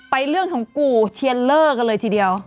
เรื่องของกู่เทียนเลอร์กันเลยทีเดียว